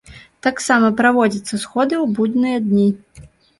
Таксама праводзяцца сходы ў будныя дні.